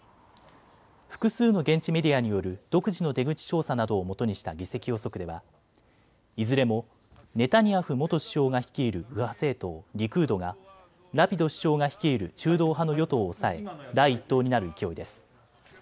複数の現地メディアによる独自の出口調査などをもとにした議席予測ではいずれもネタニヤフ元首相が率いる右派政党、リクードがラピド首相が率いる中道派の与党をおさえ第１党になる勢いです。